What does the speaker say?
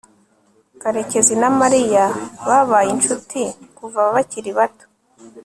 karekezi na mariya babaye inshuti kuva bakiri bato